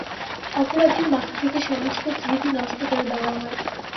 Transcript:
অপরাধীর মাথা থেকে সমস্ত স্মৃতি নষ্ট করে দেয়া হয়।